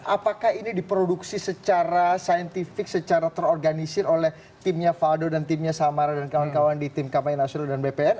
apakah ini diproduksi secara saintifik secara terorganisir oleh timnya faldo dan timnya samara dan kawan kawan di tim kampanye nasional dan bpn